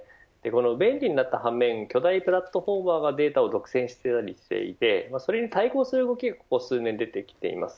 便利になった反面巨大プラットフォーマーがデータを独占していたりしてそれに対抗する動きがここ数年でてきています。